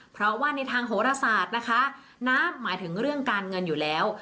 เพราะว่าในทางโหรศาสตร์นะคะน้ำหมายถึงเรื่องการเงินอยู่แล้ว